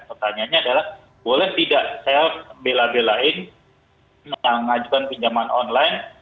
pertanyaannya adalah boleh tidak saya bela belain mengajukan pinjaman online